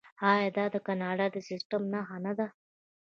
آیا دا د کاناډا د سیستم نښه نه ده؟